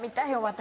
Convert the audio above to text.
私。